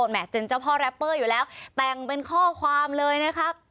แม่เจนเจ้าพ่อแรปเปอร์อยู่แล้วแต่งเป็นข้อความเลยนะครับ